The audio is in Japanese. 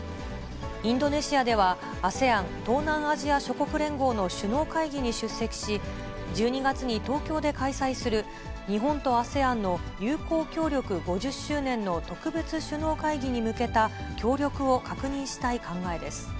インドネシアでは、ＡＳＥＡＮ・東南アジア諸国連合の首脳会議に出席し、１２月に東京で開催する、日本とＡＳＥＡＮの友好協力５０周年の特別首脳会議に向けた協力を確認したい考えです。